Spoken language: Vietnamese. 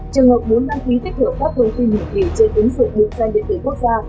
trường hợp muốn đăng ký tích hợp các thông tin nhận kỳ trên tính sử dụng điện danh điện tử quốc gia